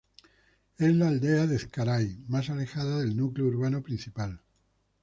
Es la aldea de Ezcaray más alejada del núcleo urbano principal.